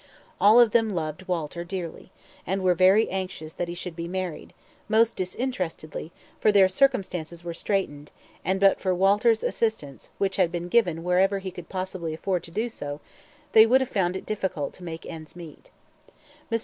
All of them loved Walter dearly, and were very anxious that he should be married most disinterestedly for their circumstances were straitened, and but for Walter's assistance, which had been given whenever he could possibly afford to do so, they would have found it difficult to make ends meet. Mr.